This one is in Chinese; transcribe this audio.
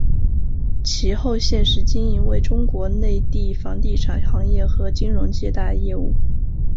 其后现时经营为中国内地房地产行业和金融借贷业务。